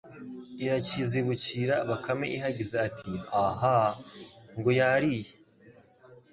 irakizibukira Bakame ihageze iti :« Ahaa! » ngo : yariye